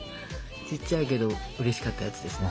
ちっちゃいけどうれしかったやつですね。